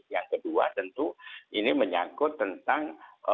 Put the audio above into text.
yang kedua tentu ini menyangkut tentang